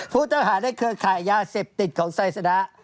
ผู้ต้องหาในเครือขายยาเสพติดของไซสนะ